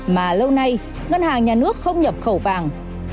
mà lâu nay ngân hàng nhà nước không nhập khẩu vàng